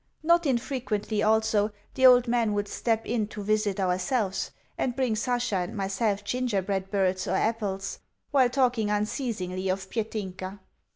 Not infrequently, also, the old man would step in to visit ourselves, and bring Sasha and myself gingerbread birds or apples, while talking unceasingly of Petinka.